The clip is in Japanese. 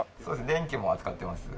電機も扱ってます。